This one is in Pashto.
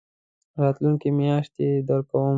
راتلونکې میاشت يي درکوم